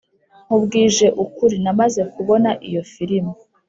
nkubwije ukuri, namaze kubona iyo firime.